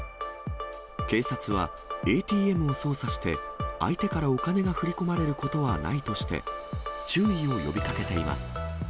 警察はＡＴＭを操作して、相手からお金が振り込まれることはないとして、注意を呼びかけています。